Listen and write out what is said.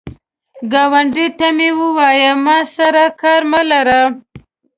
ګاونډي ته مه وایه “ما سره کار مه لره”